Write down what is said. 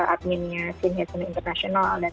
adminnya sinehetsun international dan